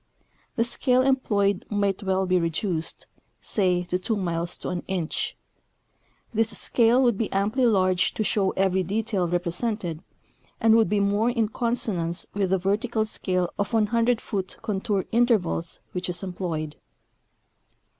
The scale employed might well be reduced, say, to 2 miles to an inch. This scale would be amply large to show every detail represented, and would be more in consonance with the vertical scale of 100 foot contour intervals which is em ployed.